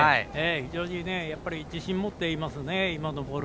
非常に自信持っていますね。